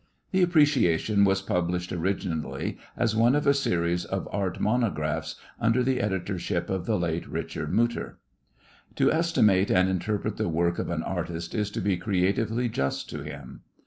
The appreciation was published originally as one of a series of Art Monographs under the editorship of the late Richard Muther. To estimate and interpret the work of an artist is to be creatively just to him.